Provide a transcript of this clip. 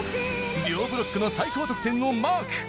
両ブロックの最高得点をマーク！